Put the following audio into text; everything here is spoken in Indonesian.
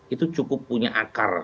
itu cukup punya akar